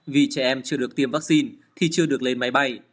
vì trẻ em chưa được tiêm vaccine thì chưa được lên máy bay